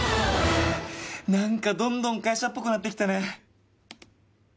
何かどんどん会社っぽくなってきたね